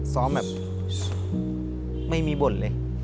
ซ้อมแบบไม่มีบ่นเลย